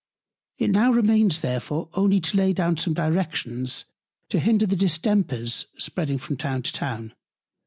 It now remains therefore only to lay down some Directions to hinder the Distemper's spreading from Town to Town.